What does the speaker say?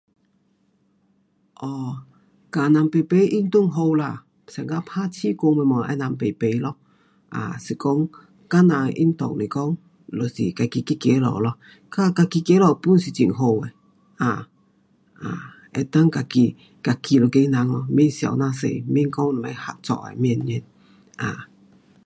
um 跟人排排运动好啦，像讲打气功什么跟人排排咯，啊，是讲个人的运动是讲就是自己去走路咯，较自己走路 pun 是很好的。um um 能够自己自己一个人咯，免想这样多，免讲合作的，免，免，啊。